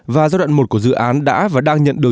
và giai đoạn một của dự án đã và đang nhận được